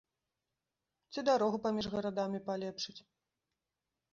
Ці дарогу паміж гарадамі палепшыць.